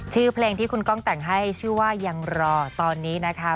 ชื่อเพลงที่คุณก้องแต่งให้ชื่อว่ายังรอตอนนี้นะคะ